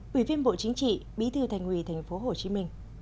ủy viên bộ chính trị bí thư thành ủy tp hcm